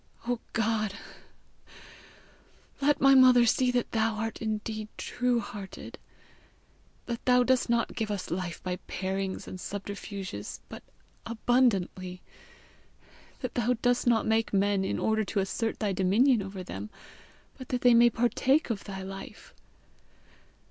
"O God, let my mother see that thou art indeed true hearted; that thou dost not give us life by parings and subterfuges, but abundantly; that thou dost not make men in order to assert thy dominion over them, but that they may partake of thy life.